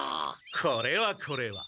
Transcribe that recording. これはこれは。